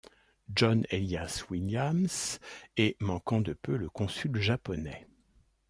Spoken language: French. John Elias Williams et manquant de peu le consul japonais.